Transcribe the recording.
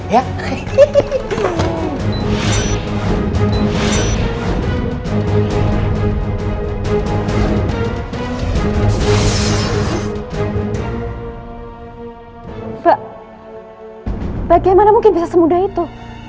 pak bagaimana mungkin bisa semudah itu